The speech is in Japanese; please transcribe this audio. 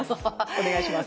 お願いします。